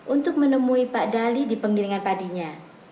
untuk menemui pak dali di penggiringan padinya